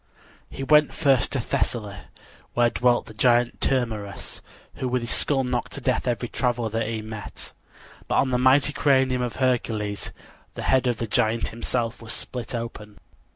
He went first to Thessaly, where dwelt the giant Termerus, who with his skull knocked to death every traveler that he met; but on the mighty cranium of Hercules the head of the giant himself was split open.